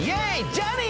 ジャーニー。